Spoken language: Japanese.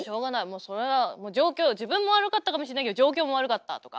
もうそれは状況自分も悪かったかもしれないけど状況も悪かったとか。